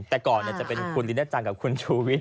แต่ก่อนเนี่ยจะเป็นคุณลินต์แจ้งกับคุณชูวิทย์